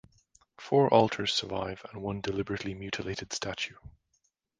Four altars survive, and one deliberately mutilated statue.